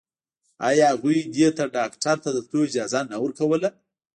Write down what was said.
آيا هغوی دې ته ډاکتر ته د تلو اجازه نه ورکوله.